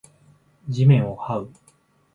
地面を這う